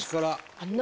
あんな。